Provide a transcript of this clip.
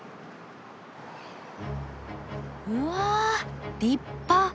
うわ立派！